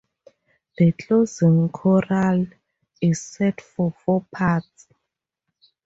The closing chorale is set for four parts.